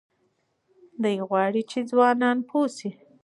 دی غواړي چې ځوانان پوه شي.